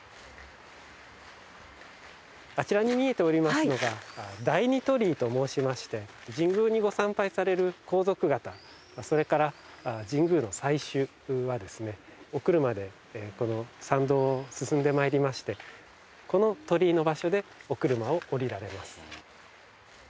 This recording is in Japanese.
あちらに見えておりますのが第二鳥居と申しまして神宮にご参拝される皇族方それから神宮の祭主はお車でこの参道を進んでまいりましてこの鳥居の場所でお車を降りられます。